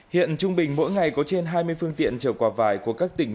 hiện trung bình mỗi ngày có trên hai mươi phương tiện chở quả vải của các tỉnh